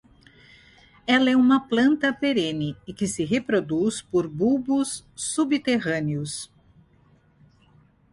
Ela é uma planta perene e que se reproduz por bulbos subterrâneos.